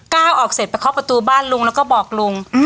ออกเสร็จไปเคาะประตูบ้านลุงแล้วก็บอกลุง